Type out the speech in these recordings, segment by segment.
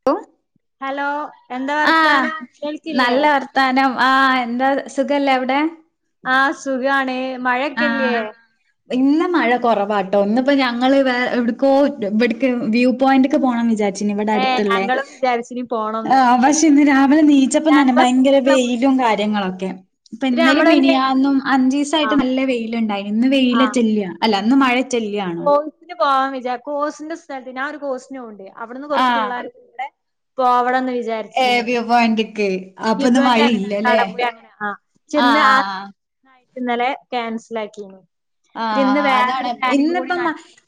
[unintelligible] Hello എന്താ വർത്താനം കേൾക്കില്ലേ ത്താനം ആഹ് എന്താ സുഖല്ലേ അവിടെ ആഹ് സുഖാണ് മഴൊക്കെല്ലേ ആഹ് ഇന്ന് മഴ കൊറവാട്ടോ ഇന്നിപ്പോ ഞങ്ങള് വേ എവിടക്കോ ഇവിടക്ക് വ്യൂ പോയിന്റ്ക്ക് പോണംന്ന് വിചാരി ച്ചിനി ഇവിടെ അടുത്തിള്ളെ നിങ്ങളും വിചാരിച്ചിനി പോണം ആഹ് പക്ഷെ ഇന്ന് രാവിലെ നീച്ചപ്പ തന്നെ ഭയങ്കര കൂടെള്ള കുട്ടി വെയിലും എവിട്ക്കോ പോയി കാര്യങ്ങളൊക്കെ പിന്നെ ഇപ്പിന്നലേം നമ്മളന്നെ മിനിയാന്നും അഞ്ചീസായി ട്ട് ആഹ് നല്ല വെയിലിണ്ടായിനി ഇന്ന് വെയില് ചെല്യ അല്ല ഇന്ന് മഴ ചെല്യാണ് ട്യൂഷന് പോവാൻ വിജാരി കോസിന്റെ സ്ഥലത്ത് ഞാൻ ഒരു കോസിന് പോവിണ്ട് അവിടുന്ന് കുറച്ച് ആഹ് പിള്ളാര് ഇവിടെ കോവളന്നു ഏഹ് വ്യൂ പോയിന്റ്ക്ക് അപ്പിന്ന് ഇനിയിപ്പന്റെ മഴയില്ലല്ലേ അലക്കാടെ പോയി ആഹ് ആഹ് ആഹ് എന്നിട്ട് ഇന്നലെ ക്യാൻസലാക്കീനി ആഹ് അതാണ് ഇന്നിപ്പം നടത്തി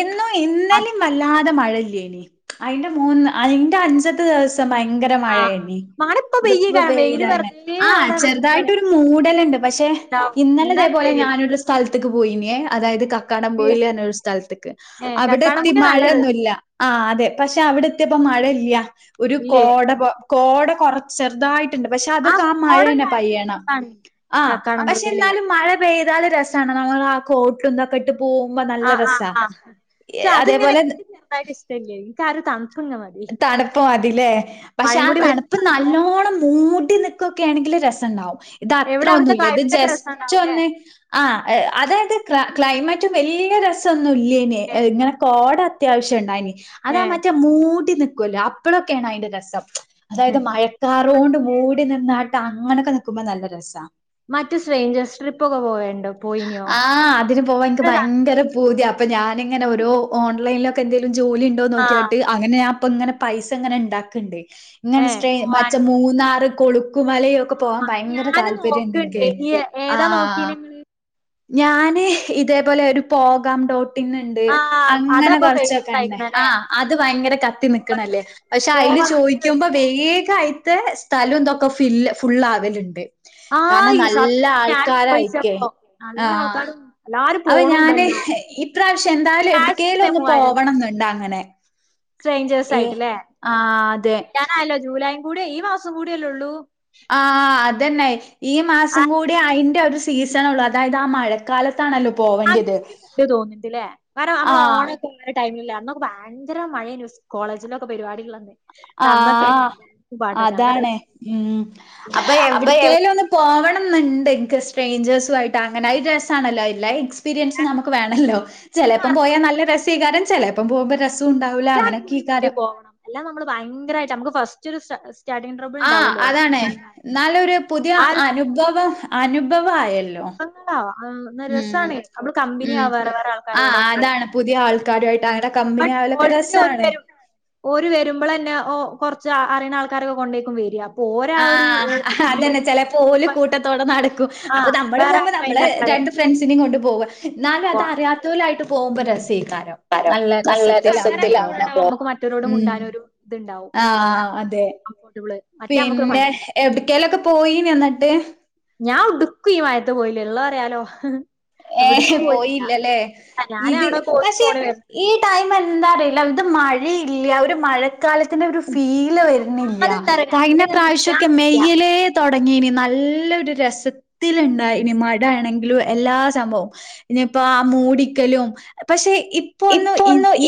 ഇന്നും ഇന്നലേം അത് വല്ലാതെ മഴയില്ലേനി അതിന്റെ മൂന്ന് അതിന്റെ അഞ്ചത്തെ ദിവസ ഭയങ്കര മഴ ആഹ് ആരിന്നി മഴപ്പ ഇത്പ്പോ പെയ്യകാരം വെയില് വെയിലായ്ണ് വെറുതെ ആഹ് അവിടെ നിക്കാണ്ടാവും ചെറുതായിട്ടൊരു മൂടലിണ്ട് പക്ഷെ ഇന്നലെ എന്ത് ഇതേപോലെ ചെയ്യും ഞാനൊരു സ്ഥലത്തേക്ക് പോയിനേ അതായത് ക ക്കടൻ പോയില്ലേന്ന ഒരു സ്ഥലത്തേക്ക് ഏഹ് അവിടെ എത്തി കക്കാടംപുഴ നല്ല രസ മഴയൊന്നുല്ല ആഹ് അതെ പക്ഷെ അവിടെത്തിയപ്പ മഴയില്ല ഒരു ഇല്ലേ കോട കോട കുറച്ചെറുതായി ട്ടിണ്ട് പക്ഷെ ആഹ് അതൊക്കെ ആ മഴന്നെ കോടണ്ടായാലും രസ പയ്യണം ആഹ് പക്ഷെ കക്കാടംപുഴേല് എന്നാലും മഴ പെയ്താല് രസാണ് നമ്മളാ കോ ട്ടും ഇതൊക്കെ ഇട്ട് പോവുമ്പ നല്ല ആഹ് ആഹ് രസാ ആഹ് ഏഹ് അതേപോലെ ഇല്ല ഇല്ലേ എനിക്കാരോ തണിപ്പിങ്ങനെ മാ തണുപ്പു മതില്ലേ പക്ഷെ ആ കൂടി തണു പ്പ് വരുമ്പോ നല്ലോണം മൂടി നിക്കൊക്കെ ആണെങ്കില് രസിണ്ടാവും ഇത് അത്ര എവിടെ അവിടുത്തെ ഒന്നുവില്ല ഇത് ക്ലൈമറ്റ് ഒക്കെ ജസ്റ്റ് രസണ്ടാവൂല്ലേ ഒന്ന് ആ അതായത് ക് ക്ലൈമറ്റ് വലിയ രസംന്നും ഇല്ലേന ഇങ്ങനെ കോട അത്യാവശ്യം ഉണ്ടായിനി അതാ ഏഹ് മറ്റേ മൂടി നൽക്കുവല്ലോ അപ്പപ്പോഴൊക്കെയാണ് അതിൻന്റെ രസം അതായത് മഴ കറൊണ്ട് മൂടി നിന്നാട്ട് അങ്ങനൊക്കെ നിക്കുമ്പോ നല്ല രസ മറ്റേ സ്ട്രേഞ്ചേഴ്സ് ട്രിപ്പ് ഒക്കെ പോയണ്ടോ പോയിനോ ആഹ് അതിന് പോവാ എനിക്ക് ഭയങ്കര പൂതിയ ഇപ്പോൾ ഞാനിങ്ങനെഓര ഓൺൈനിലൊെ എന്തങ്കലും ജോലി ഉണ്ടോ ആഹ് നോക്കിയിട്ട് അങ്ങനെ ഞൻ അപ്പ ഇങ്ങനെ പൈസ ഇങ്ങനെ ഉണ്ടാക്ക്ണ്ട് ഏഹ് ഇങ്ങനെ്ട്ര മച്ച പോവാനോ മൂന്നാറ് കൊളുക്കുമലയ ഒക്കെ പോകാൻ ഭയങ്കര താല്പര്യംണ്ട് എനിക്ക് ഈ ഏതാ നോക്കിന് ഞാന് ഇതേപോലെ ഒരു പോകാം ഡോ ണ്ട് ആഹ് അങ്ങനെ അതപ്പൊ കൊറച്ചൊക്കെ ഫേമസ് ഉണ്ടെ. ആ ആയിക്കണല്ലേ അത് ഭയങ്കര നിക്കിനില്ലേ. പക്ഷെ അതില് പോവണം നല്ല ചോദിക്കുമ്പോ രസാ വേഗയിട്ട് സ്ഥലം ഇതൊക്കെ ക്കെ ഫുള്ളാവരുത്. കാരണം ആഹ് നല്ല സത്യം ഞാൻ ആൾക്കാരായിരിക്കേ. ചോയിച്ചപ്പോ നല്ല ആഹ് ആൾക്കാരും എല്ലാരും അപ്പം ഞാന് പോണുണ്ടല്ലോ ഇപ്രാവശ്യം എന്തായാലും ക്യാഷ് എവിടൊക്കോലും എത്രയാ ഒന്ന് മൂവായിരൊക്കെ പോവണം എന്നുണ്ട് അങ്ങനെ. സ്ട്രേഞ്ചേഴ്സ് ഏ ആയിട്ടല്ലേ. ആ അതെ നായല്ലോ ജൂലൈയും കൂടി ഈ മാസം കൂടിയല്ലേയുള്ളു. ആ അതന്നെ ഈ മാസം കൂടി അതിന്റെ ഒരു സീസൺ ഉള്ളു. അതായത് ആ മഴ കാലത്താണല്ലോ ആ [unintelligible] തോന്നിണ്ട്ല്ലേ [unintelligible] ആ നമ്മള് ഓണ ടൈമില്ല അന്നൊക്കെ ഭയങ്കര മഴേനു കോളേജിലൊക്കെ പരിപാടികളന്ന് അന്നൊക്കെ ആഹ പാട്ടൊക്കെ നല്ല അതാണ് ഉം അപ്പൊ എവിടക്കേലും ഒന്ന് പോകണം എന്നുണ്ട് എനിക്ക് സ്ട്രേഞ്ചേഴ്സുമായിട്ട്. അങ്ങനെ ഒരു രസമാണല്ലോ ഐ ലൈക്സ്. എക്സ്പീരിയൻസ് രസ നമുക്ക് വേണല്ലോ. ചിലപ്പോ പോയാൽ നല്ല രസായിരിക്കും ചില പോകുമ്പോ രസ ഉണ്ടാവില്ല കൂട്ടുകാരും അനൊക്കെ കൂടി ഈ കൂട്ടി കാര്യം പോകണം എല്ലാം നമ്മള് ഭയങ്കരമായിട്ട് നമുക്ക് ഫസ്റ്റ് ഒരു സസ ആ അതാണ് എന്നാലൊരു പുതിയ ആ ഒരു അനുഭവം അനുഭവയല്ലോ അ രസാണ് നമ്മള് കമ്പനി ഉം. ആവാർ വേറെ ആ ആൾക്കാരോടൊക്കെ. അതാണ് പുതിയ ആൾക്കാരുമായിട്ട് അങ്ങനെ ബട്ട് കമ്പനിയാവലൊക്കെ ഓൾറെഡി ഓര് രസാണ്. വരും ഓര് വരുമ്പോൾ ന്നെ ഓ കൊറച്ച് അറിയുന്ന ആൾക്കാരൊക്കെ കൊണ്ടേക്കും വോര. ആഹ് അതന്നെ ചിലപ്പോ ഓര് കൂട്ടത്തോടെ നടക്കും. അപ്പൊ ആഹ് നമ്മള് വേറെ പോകുമ്പോ ആരും നമ്മളെ മൈൻഡ് ആക്കാതെ രണ്ട് ഫ്രണ്ട്സിനെ കൊണ്ട് പോകും. എന്നാലും പോവാ അതറിയത്തവരായിട്ട് പോകുമ്പോ രസാക്കരം. നമുക്ക് മാറ്റവരോട് ഉം. മിണ്ടാനൊരു ഇതുണ്ടാവും ആ അതെ. കംഫർട്ടബിൾ. പിന്നെ എവിടക്കലൊക്കെ പോയിൻ ന്നട്ട്? ഞാൻ എവ്ട്ക്കും ഈ മയത്ത് പോയില്ല. ഉള്ള പറയാലോ. ഏഹ എവിടക്കും പോയില്ല പോയില്ലല്ലേ? ഞാന് ഇത് അവിടെ കോഴ്സിന് പക്ഷെ പോണ വരുന്നുണ്ട്. ഇ ടൈം എന്താ അറിയില്ല ഇത് മഴയില്ല ഒര് മഴ കാലത്തി ഒരു ഫീല് വരുന്നില്ല. അതെന്താ അറിയോ കഴിഞ്ഞ രാവിലെങ്ങനെ നീക്കാൻ പ്രാവശ്യൊക്കെ വയ്യ മെയില് തുടങ്ങിനു നല്ലരു രസത്തിലുണ്ടായിനു മഴ ആണെങ്കിലും എല്ലാ സംഭവം ഇനിയിപ്പോ ആ മൂടിക്കലും പക്ഷെ ഇപ്പൊ ഒന്ന്.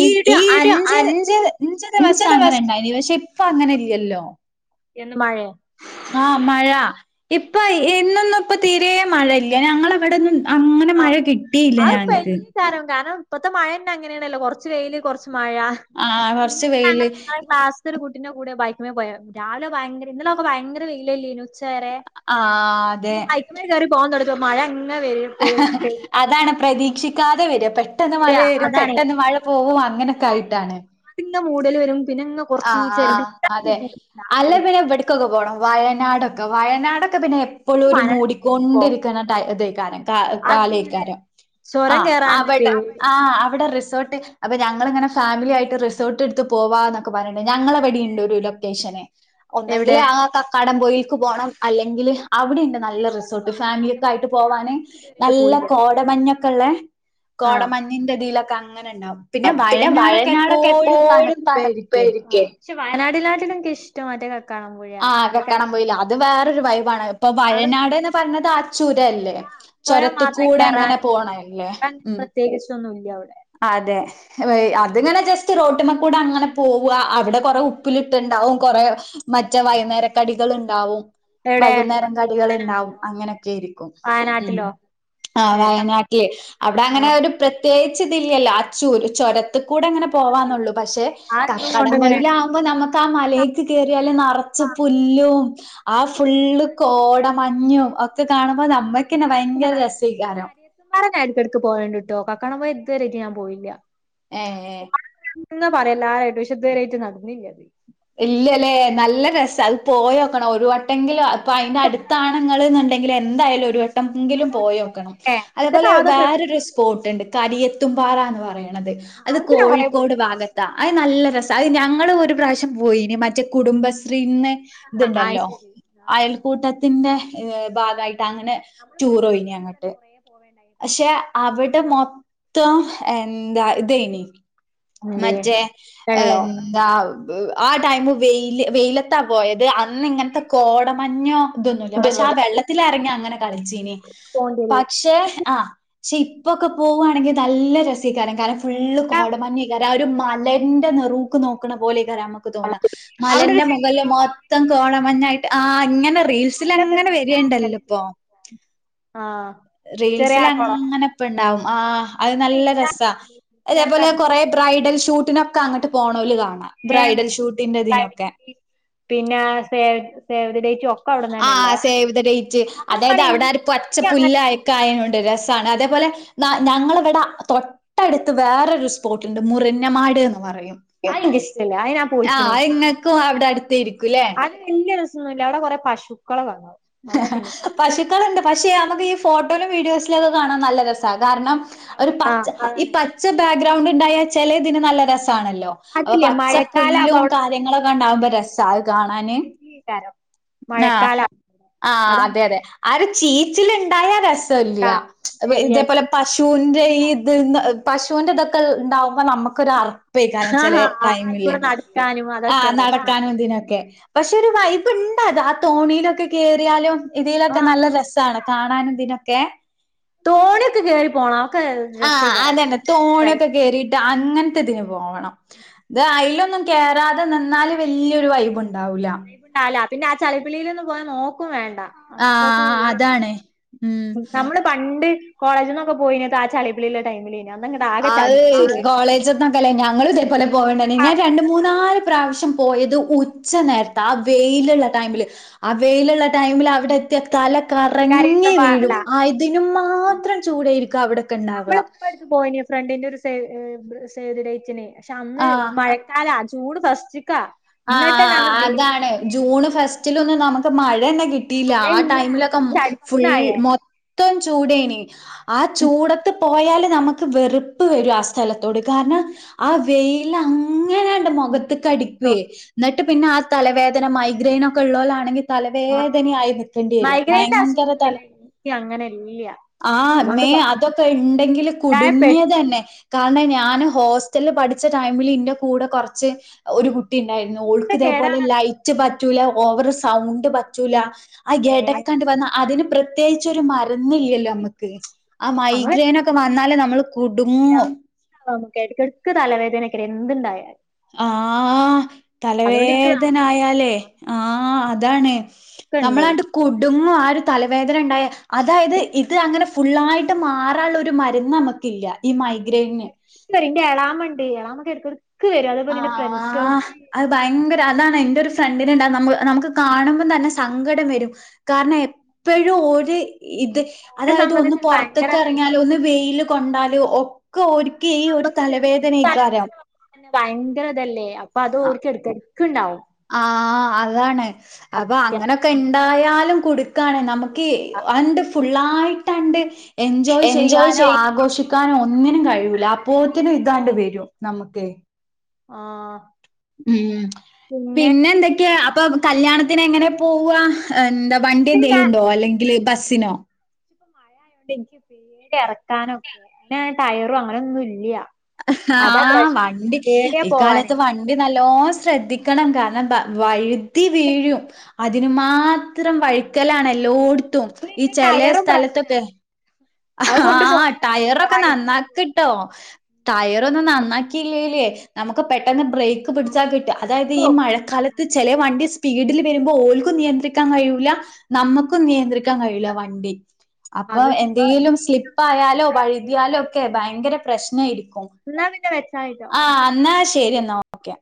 ഈ ഒരു അഞ്ച് അഞ്ച് ദിവസം അങ്ങനെ ഉണ്ടായിരുന്നു. പക്ഷെ ഇപ്പ അങ്ങനെ ഇല്ലല്ലോ. എന്ത്‌ മഴയ. ആഹ മഴ ഇപ്പ ഇന്നോന്നും ഇപ്പ തീരെ മഴയില്ല ഞങ്ങവിടെന്നും. ആഹ് അതിപ്പോ കാരണം ഇപ്പത്തെ മഴ തന്നെ അങ്ങനെയാണല്ലോ കുറച്ച് വെയിൽ കുറച്ച് മഴ ആഹ് കൊറച്ച് വെയില് [unintelligible] കുട്ടീന്റെ കൂടെ ബൈകക്കുമെ പോയെ. രാവിലെ ഭയങ്കര ഇന്നലൊക്കെ ഭയങ്കര വെയിലല്ലേനു ഉച്ചവരെ. ആഹ് അതെ അങ്ങ കയറി പോവാൻതുടങ്ങുമ്പോൾക് മഴ ഇങ്ങന വരും. അതാണ് പ്രതീക്ഷിക്കാതെ വരെ പെട്ട പെട്ടെന്ന് മഴ വരാ വരും അതാണേ പെട്ടെന്ന് മഴ പോകും അങ്ങനെയൊക്കെ ആയിട്ടാണ്. പിന്നെ മൂടൽ വരും പിന്നെ. കൊറച്ച് ഈ ആഹ് ആ ചെറുടി അതെ അല്ല പിന്നെവി [unintelligible] വയനാടൊക്കെ വയനാടൊക്കെ പിന്നെ [unintelligible] [unintelligible] എനിക്ക് ഒരു വയനാട് പേടിയാ മൂടിക്കൊണ്ടിരിക്കണ [unintelligible] കാലേക്കാരം. ആ ചൊരം കേറാൻ അവടെ ആ പേടിയാ അവടെ റിസോർട്ട്. അപ്പൊ ഞങ്ങൾ ങ്ങനെ ഫാമിലിയായിട്ട് റിസോർട്ട് ഇടുത്ത് [unintelligible] പറണിണ്ട് ഞങ്ങളെവിടിണ്ട് ഒരു ലൊക്കേഷന് എവിടെ ഒന്നെങ്കില് ആ ക ക്കാടംപൊയിക്ക് പോണം. അല്ലെങ്കിൽ അവിടെ ഉണ്ട് നല്ല റിസോർട്ട് ഫാമിലിയൊക്കെ ആയിട്ട് പോവാന് ഇതുവരെയായിട്ട് നല്ല പോയില്ല കോടമഞ്ഞൊക്കെ ഇള്ളെ കോടമഞ്ഞിന്റെതിലൊക്കെ അങ്ങനെ ഇണ്ടാവും. പിന്നെ വയനാടൊക്കെ എപ്പോഴും തണുപ്പായിരിക്കേ. തണുപ്പെരിക്കും. പക്ഷെ വയനാടിലാട്ടെനിക്കിഷ്ടം മറ്റേ കക്കാടൻപോയ മറ്റേ കെ ഇത് വേറൊരു വൈബാണ്. അപ്പൊ വയനാട്ന്ന് ഇഷ്ടം പറഞ്ഞത് ആച്ചുരല്ലേ ചുരം ചൊരത്ത്ക്കൂടെ അങ്ങനെ പോണല്ലേ. ഉം. ടേസ്റ്റൊന്നുല്ല്യ അവടെ. അതെ. വ് അതിങ്ങനെ ജസ്റ്റ് റോട്ട്മ്മക്കൂടെ അങ്ങനെ പോവുവാ അവിടെ കൊറെ ഉപ്പിലിട്ട്ണ്ടാവും കൊറേ മറ്റേ വൈന്നേര കടികള്ണ്ടാവും. എവിടെ വൈകുന്നേരം കടികള്ണ്ടാവും. വയനാട്ടിലോ അങ്ങനെയൊക്കേരിക്കും. ഉം വയനാട്ടിലോ ആഹ് ഏ വയനാട്ടിയ്. അവിടെ അങ്ങനെ വയനാട്ടിൽ ഒരു പ്രത് ത്യേകിച്ചിതില്ലല്ലോ അച്ചൂര് ചൊരത്തക്കൂടെ അങ്ങനെ പോവാന്നുള്ളൂ. ചൊരള്ളൂ പക്ഷെ ആ ഒരിതും കൊണ്ട് കക്കാടം ഇങ്ങനെ പോയിലാ നമുക്ക് ആ മലേക്ക് കേയറിയാല് നെറച്ച് പുല്ലും ആ ഫുള്ള് കോട മഞ്ഞും ഒക്കെ കാണുമ്പോ നമ്മക്ക്ന്നെ ഭയങ്കര രസേയ്കാരം. വയനാട് ഞാൻ എടക്കേടക്ക് പോകലിണ്ട്ട്ടോ കക്കാടം പോയി ഇതുവരെയിറ്റ് ഞാൻ പോയില്ല. ഏഹ് ഏഹ്. [unintelligible] നടന്നില്ലത് ഇല്ലല്ലേ നല്ല രസ അത് പോയിയൊക്കണം ഒരു വട്ടെങ്കിലും അപ്പൊ അതിന്റെ അടു അത് ത്താണ്ങ്ങള്ന്നുണ്ടെങ്കില് എന്തായാലും ഒരു വട്ടം ങ്കിലും അവിടെ പോയോക്കണം. ഏ എന്റെ അതേപോലെ താത കെട്ടി വേറൊരുസ് പോട്ടുണ്ട്. കരിയെത്തും പാറ എന്ന് പറയണത്. അത് അവിടുത്തെ ഞാൻ കൊറേ കോഴിക്കോട് പോയിണ് ഭാഗത്ത് താ അത് നല്ല രസ അത് ഞങ്ങള് ഒരു പ്രാവശ്യം പോയിന് മറ്റേ കുടുംബശ്രീന്ന്. ആ അത് ഇത്ണ്ടല്ലോ ശരി ആ ആ അയൽക്കൂട്ടത്തിന്റെ ഭാഗായിട്ട് അങ്ങനെ ടൂറോയിനി അങ്ങട്ട് പോക്ണ്ടായിനി. അക്ഷെ അവിടെ മൊത്തം എന്താ ഇതേനി. എന്തേ മറ്റേ വെള്ളോ എന്താ ആ ടൈമ് വെയില് വെയിലത്താ പോയത് അന്നിങ്ങൻത്തെ കോടമഞ്ഞോ ഇതൊന്നുല്ല. പക്ഷേ ആ വെള്ളത്തില് എറങ്ങി അങ്ങനെ കളിച്ചീന്. പോണ്ടിയത് പക്ഷേ ആഹ് ക്ഷെ ഇപ്പൊക്കെ പോവുവാണെങ്കിൽ നല്ല രസേകാരം കാരണം ഫുള്ള് കോടമഞ്ഞേക്കാരം ആ ഒരു മലന്റെ നിർ ക്കു നോക്കണ പോലെകാരം അമ്മക്ക് തോന്നാ. അവിടെ ഒരു മലന്റെ മൊകളിൽ മൊത്തം കോടമഞ്ഞായിട്ട് ആഹ് ഇങ്ങനെ റീൽസ് അയിലൊക്കെ ലങ്ങനെ ഇങ്ങനെ ചാടി വരിണ്ടല്ലപ്പൊ. കളിക്കും ആഹ് ചെറിയ ആ കൊളം റീൽസിലങ്ങനെ പ്പിണ്ടാവും ആ അത് നല്ല രസ. അതേപോലെ കൊറേ ബ്രൈഡൽ ഷൂട്ടിനൊക്കെ അങ്ങട്ട് പോണോല് കാണാം. ബ്രൈഡൽ ഷൂട്ടിന്റെ ഇതിനൊക്കെ. പിന്നെ സെ സേവ് ദി ഡേറ്റ് ആഹ് സേവ്ത ഡേറ്റ് നമ്മള് അതായത് വേണേ അവിടപ്പടച്ച പുല്ലായി കായനുണ്ട് രസാണ് അതേപോലെ ഞങ്ങളിവിടെ തൊ പടുത്ത് വേറൊരു സ്പോട്ടുണ്ട് മുറിഞ്ഞമാട് എന്ന് പറയും അത് എനിക്കിഷ്ടല്ല അത് ഞാൻ പോയിക്കണ് ആഹ് ഇങ്ങക്കും അവിടെ അടുത്ത ആയിരിക്കൂ ല്ലേ വലിയ രസൊന്നുമില്ല അവിടെ കൊറെ പശുക്കളെ കാണാം അതാ പിന്നെ പശുക്കളുണ്ട് പക്ഷെ നമുക്ക് ഈ ഫോട്ടോയിലും വീഡിയോസിലും ഒക്കെ കാണാൻ നല്ല രസ കാരണം ഒരു ആഹ് പച് ഈ അതാണ് പച്ച ബാക്ക്ഗ്രൗണ്ട് ഉണ്ടായാ ചില ഇതിന് നല്ല രസാണല്ലോ അപ്പൊ അതില്ലേ മഴക്കാലം ആകുമ്പോ പച്ചപ്പുല്ലും അവിടെ ഫുള്ള് കാര്യങ്ങളൊക്കെ ചളി ഉണ്ടാവുമ്പോ ചളി രസ അത് കാണാന് ചളിക്കാരം ആഹ് മഴക്കാലം ആഹ് അത അതെ അതെ ആഹ് ഒരു ചീച്ചിൽ ഉണ്ടായ രസല്ല്യ ഇതേപോലെ പശുവിന്റെ ഈ ഇത് പശുവിന്റെ ഇതൊക്കെ ഉണ്ടാവുമ്പോ നമുക്കൊരു അറ [unintelligible] ആഹ് ചെലെ ടൈമില് ആയിക്കൂടെ നടക്കാനും ആ അതൊക്കെ പ്രശ്നം നടക്കാനും ഇതിനൊക്കെ. പഷേ ഒരു വൈബ് ഇണ്ട് അത് ആ തോണിലൊക്കെ കേറിയാലും. ഇതിലൊക്കെ ആഹ് നല്ല രസാണ് കാണാനും ഇതിനൊക്കെ. തോണി ഒക്കെ കേറി [unintelligible] ആ രസേക്കാരം അതന്നെ തോണിക്കെ കേറിട്ട് അങ്ങനത്തെ ഇതിന് പോണം. [unintelligible] അയിലൊന്നും കേറാതെ നിന്നാല് വല്യൊരു വൈബ് ണ്ടാവൂല്ല. [unintelligible] ചളിപ്പിളിൽ [unintelligible] നോക്കും വേണ്ട. ആഹ് അതാണ് ഉം [unintelligible] [inaudible] പണ്ട് കോളേജിന്നൊക്കെ പോയിന്നത് ആ ചളിപിളിള്ള ടൈമിലെനി. [unintelligible] കോളേജ് ന്നൊക്കെല്ലേ ഞങ്ങൾ ഇതേപോലെ പോവണ്ടയിന്നു ഞാൻ രണ്ട് കറുത്ത മൂന്നാൽ. ചളിയേനി. പ്രാവശ്യം പോയത് ഉച്ച നേരത്താ ആ വെയിലുള്ള ടൈമില്. [unintelligible] വെയിലുള്ള ടൈമിൽ അവിടെ [unintelligible] [unintelligible] തല കാര്യായിട്ട കറങ്ങി അല്ല വീഴും ആയതിനും മാത്രം ചൂടായിരിക്കും അവിടൊക്കെ ണ്ടാവ. [unintelligible] ഫ്രണ്ടിന്റെ ഒരു [unintelligible] സേവ് ദി ഡേറ്റിന് പഷേ അന്ന് ആഹ് [unintelligible] [unintelligible] ചൂട് ഫസ്റ്റ്ക്ക. ആ ആ ആ അതാണ് ജൂണ് ഫസ്റ്റിലൊന്ന് നമുക്ക് മഴ ന്നെ [unintelligible] [unintelligible] ആ മഴയില്ല ടൈമിലൊക്കെ അങ്ങട് മോ ഫുൾ ചടിച്ചിനാകെ [unintelligible] [unintelligible] ചൂടേനി ആ ചൂടത്ത് പോയാല് [unintelligible] വെറുപ്പ് വരും ആ സ്ഥലത്തോട് കാരണം ആ വെയിൽ അങ്ങനണ്ട് മുഖത്ത് [unintelligible] എന്നിട്ട് പിന്നെ ആഹ് തലവേദന മൈഗ്രെനൊക്കെ ഉള്ളോലാണെങ്കി ആഹ് തലവേദനയായി നിക്കണ്ടി [unintelligible] മൈഗ്രൈന്റെ ഭയങ്കര അസുഖൊന്നും പിന്നെ [unintelligible] എനിക്ക് അങ്ങനെ ഇല്ല ആ അതുകൊണ്ട് മേ ഭാഗ്യം അതൊക്കെ ണ്ടെങ്കിൽ ഉണ്ടായ കുടുങ്ങിയത് പെട്ടെന്ന് ന്നെ. കാരണം ഞാന് ഹോസ്റ്റലിൽ പഠിച്ച ടൈമിൽ ഇന്റെ കൂടെ കുറച്ച് ഒരു [unintelligible] [unintelligible] ഓൾക്ക് ഇതേപോലെ കേടാണത് ലൈറ്റ് പറ്റൂല ഓവർ സൗണ്ട് പറ്റൂല. ആ ഏ എടക്ക് ആണ്ട് വന്ന അതിന് പ്രത്യേകിച്ച് ഒരു മരുന്ന് ല്ല്യാല്ലോ മ്മക്ക്. ആ നമ്മള് മൈഗ്രെനൊക്കെ വന്നാല് നമ്മള് കുടുങ്ങും. [unintelligible] ക്ക് എടക്കെടക്ക് തലവേദനേക്കാരം എന്തുണ്ടായാലും. ആ അതുകൊണ്ട് എനിക്ക് ആ കാര്യത്തില് തലവേദനായാലേ ആ അതാണ്. നമ്മൾ ആണ്ട് ഭാഗ്യണ്ട് കുടുങ്ങും ആ ഒരു തലവേദന ണ്ടായാ അതായത് ഇത് അങ്ങനെ ഫുള്ളായിട്ട് മാറാനുള്ള ഒരു മരുന്ന് [unintelligible] [unintelligible] ഈ മൈഗ്രെൻ ന് [unintelligible] ന്റെ എളാമണ്ട് എളാമ ക്ക് എടക്കേടക്ക് വരും അതുപോല ന്റെ ആഹ് [unintelligible] അത് ഭയങ്കര അതാണ് ന്റൊരു ഫ്രണ്ടിനുണ്ട [unintelligible] നമുക്ക് കാണുമ്പം തന്നെ [unintelligible] സങ്കടം വരും കാരണം എപ്പോഴും ഓര് ഇത്. ഓരെ അതായത് ഒന്ന് സംബന്ധിച്ച് ഭയങ്കര പൊറത്ത്ക്ക് ഇറങ്ങിയാല് ഒന്ന് വെയില് കൊണ്ടാല് ഒക്കെ [unintelligible] [unintelligible] തലവേദനേക്കാരം ഭയങ്കര ഇതല്ലേ അപ്പൊ അത് ഓർക് [unintelligible] ആ ആ അതാണ് അപ്പൊ ഛർദിക്കാൻ അങ്ങനൊക്കെ ണ്ടായാലും [unintelligible] [unintelligible] നമുക്ക് അണ്ട് ഫുള്ളായിട്ട് ആണ്ട് എൻജോയ് ചെയ്യാനോ [unintelligible] [unintelligible] ഒന്നിനും കഴിയൂല അപ്പോത്തിനും ഇതാണ്ട് വരും നമുക്ക്. ആ ഉം പിന്നെന്തൊക്കെ അപ്പൊ കല്യാണത്തിന് എങ്ങനെ പോവാ ആ ന്താ വണ്ടി പിന്നെ എന്തേലും ണ്ടോ അല്ലെങ്കിൽ ബസ്സിനോ [unintelligible] [inaudible] അതാ ആ പ്രശ്നം വണ്ടി പേടിയാ ഈ പോവാന് കാലത്ത് [unintelligible] [unintelligible] നല്ലോ ശ്രദ്ധിക്കണം കാരണം വഴുതി വീഴും. അതിന് മാത്രം വഴുക്കലാണല്ലോട് ഇന്റെ ടയറും പ്രശ്ന ആഹ് ടായർ ഒക്കെ നന്ന കിട്ടോ ടയറോന്നും നന്നാക്കിയില്ലേല്ലേ നമുക്ക് പെട്ടെന്ന് ബ്രേക്ക് പിടിച്ചാൽ കിട്ട് അതായത് വെക്കും ഈ ഒക്കെ നന്നാക്കണം മഴക്കാലത്ത് ചെല വണ്ടി സ്പീഡിൽ വരുമ്പോൾ ഓൽക്കും നിയന്ത്രിക്കാൻ കഴിയൂല്ല നമുക്കും നിയന്ത്രിക്കാൻ കഴിയൂല വണ്ടി അപ്പൊ അത് എ ലും സ്ലിപ്പായാലോ വഴുതിയാലോ ഒക്കെ ഭയങ്കര പ്രശ്നമായിരിക്കും ന്നാ പിന്നെ വെച്ചാളിട്ടൊ ആ ന്നാ ശരി എന്നാ ഓക്കെ.